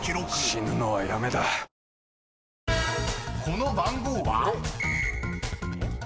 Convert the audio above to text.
［この番号は？］